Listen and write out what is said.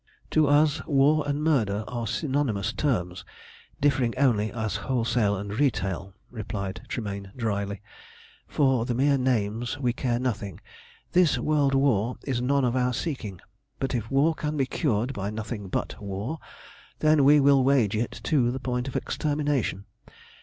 "To us war and murder are synonymous terms, differing only as wholesale and retail," replied Tremayne drily; "for the mere names we care nothing. This world war is none of our seeking; but if war can be cured by nothing but war, then we will wage it to the point of extermination.